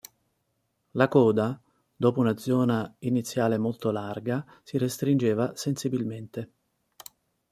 La coda, dopo una zona iniziale molto larga, si restringeva sensibilmente.